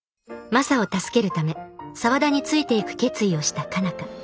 マサを助けるため沢田についていく決意をした佳奈花。